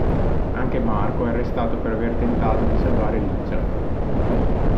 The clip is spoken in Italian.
Anche Marco è arrestato per aver tentato di salvare Licia.